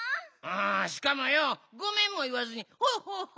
あしかもよう「ごめん」もいわずに「ホホッホ！」